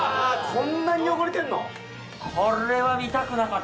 こんなに汚れてんの？